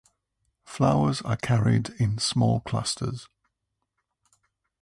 Flowers are carried in small clusters.